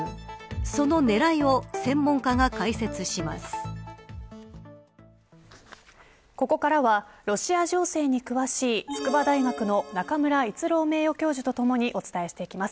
そのねらいをここからはロシア情勢に詳しい筑波大学の中村逸郎名誉教授とともにお伝えしていきます。